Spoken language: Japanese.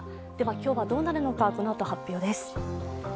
今日はどうなるのかこのあと発表で。